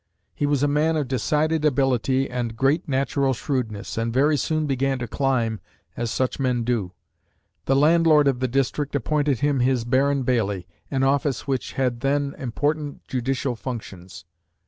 He was a man of decided ability and great natural shrewdness, and very soon began to climb, as such men do. The landlord of the district appointed him his Baron Bailie, an office which then had important judicial functions.